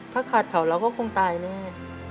ถ้าขาดเขาเราก็คงตายแน่